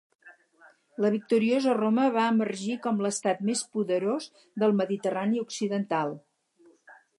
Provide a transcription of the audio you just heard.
La victoriosa Roma va emergir com l'estat més poderós del Mediterrani occidental.